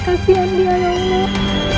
kasihan dia ya allah